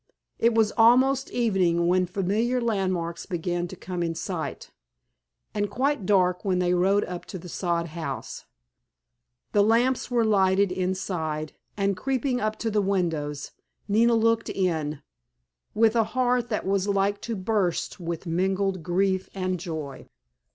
It was almost evening when familiar landmarks began to come in sight, and quite dark when they rode up to the sod house. The lamps were lighted inside, and creeping up to the windows Nina looked in, with a heart that was like to burst with mingled grief and joy.